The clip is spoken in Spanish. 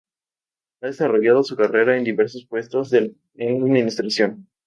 Ha desarrollado su carrera en diversos puestos en la administración.